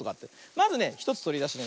まずね１つとりだしてね